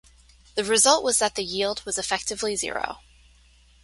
The result was that the yield was effectively zero.